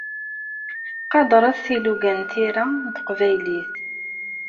Qadret ilugan n tira n teqbaylit!